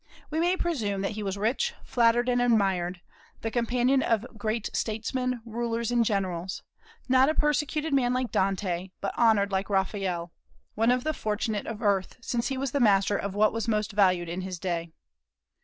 We may presume that he was rich, flattered, and admired, the companion of great statesmen, rulers, and generals; not a persecuted man like Dante, but honored like Raphael; one of the fortunate of earth, since he was a master of what was most valued in his day.